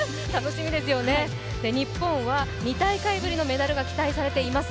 日本は２大会ぶりのメダルが期待されています。